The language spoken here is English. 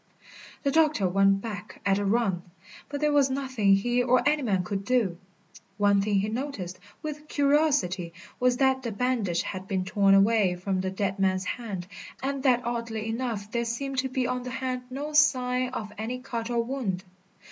The doctor went back at a run, but there was nothing he or any man could do. One thing he noticed, with curiosity, was that the bandage had been torn away from the dead man's hand and that oddly enough there seemed to be on the hand no sign of any cut or wound.